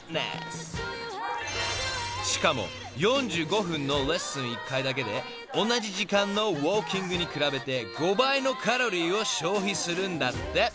［しかも４５分のレッスン１回だけで同じ時間のウオーキングに比べて５倍のカロリーを消費するんだって］